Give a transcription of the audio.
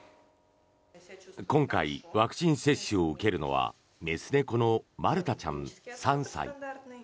今回ワクチン接種を受けるのは雌猫のマルタちゃん、３歳。